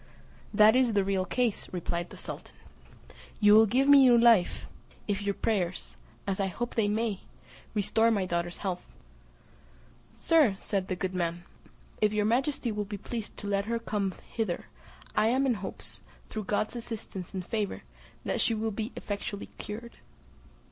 "That is the real case," replied the sultan. "You will give me new life if your prayers, as I hope they may, restore my daughter's health." "Sir," said the good man, "if your majesty will be pleased to let her come hither, I am in hopes, through God's assistance and favour, that she will be effectually cured."